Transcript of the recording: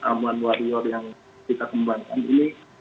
aman warior yang kita kembangkan ini